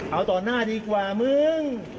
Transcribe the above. เอาต่อหน้าดีกว่ามึง